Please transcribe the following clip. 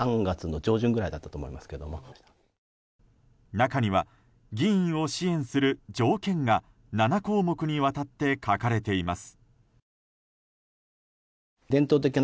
中には、議員を支援する条件が７項目にわたって書かれています。